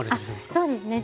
そうですね。